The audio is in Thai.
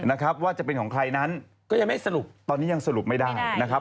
นะครับว่าจะเป็นของใครนั้นก็ยังไม่สรุปตอนนี้ยังสรุปไม่ได้นะครับ